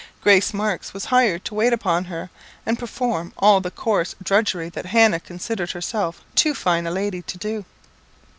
Grace Marks was hired to wait upon her, and perform all the coarse drudgery that Hannah considered herself too fine a lady to do.